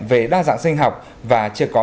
về đa dạng sinh học và chưa có